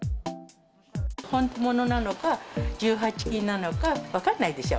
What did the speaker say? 本物なのか、１８金なのか、分かんないでしょ。